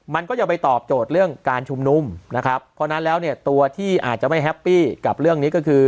มันก็จะไปตอบโจทย์เรื่องการชุมนุมนะครับเพราะฉะนั้นแล้วเนี่ยตัวที่อาจจะไม่แฮปปี้กับเรื่องนี้ก็คือ